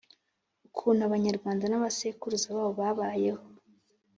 ukuntu abanyarwanda n'abasekuruza babo babayeho